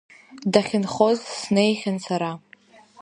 Дахьынхоз снеихьан сара.